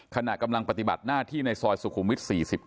ขณะกำลังปฏิบัติหน้าที่ในซอยสุขุมวิท๔๙